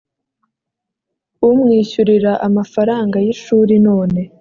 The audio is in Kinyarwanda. umwishyurira amafaranga y ishuri none